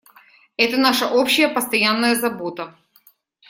Это наша общая постоянная забота.